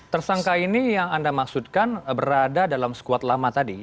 tersangka ini yang anda maksudkan berada dalam skuad lama tadi